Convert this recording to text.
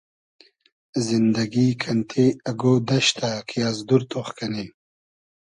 زیندئگی کئنتې اگۉ دئشتۂ کی از دور تۉخ کئنی